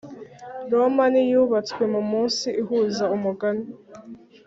roma ntiyubatswe mumunsi ihuza umugani